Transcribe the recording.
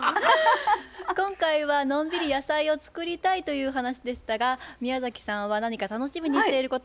今回はのんびり野菜を作りたいという話でしたが宮崎さんは何か楽しみにしていることはありますか？